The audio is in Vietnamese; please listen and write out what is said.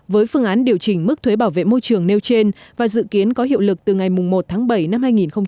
với phương án điều chỉnh mức thuế bảo vệ môi trường nêu trên và dự kiến có hiệu lực từ ngày một tháng bảy năm hai nghìn hai mươi